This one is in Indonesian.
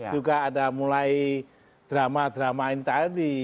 juga ada mulai drama drama ini tadi